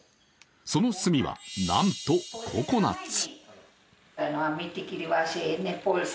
その炭は、なんとココナッツ。